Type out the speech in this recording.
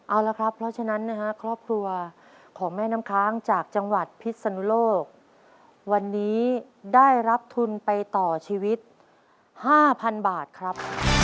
เอาละครับเพราะฉะนั้นนะฮะครอบครัวของแม่น้ำค้างจากจังหวัดพิษนุโลกวันนี้ได้รับทุนไปต่อชีวิต๕๐๐๐บาทครับ